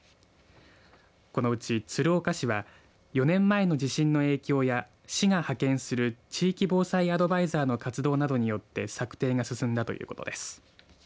このうち鶴岡市は４年前の地震の影響や市が派遣する地域防災アドバイザーの活動などによって策定が進んだということです。